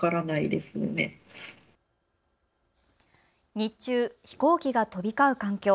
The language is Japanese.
日中、飛行機が飛び交う環境。